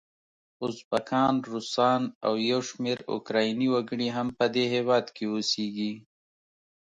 ازبکان، روسان او یو شمېر اوکرایني وګړي هم په دې هیواد کې اوسیږي.